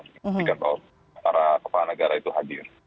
maksudnya kalau para kepala negara itu hadir